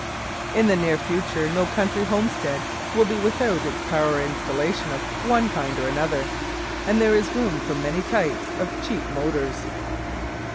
In the near future no country homestead will be without its power installation of one kind or another, and there is room for many types of cheap motors.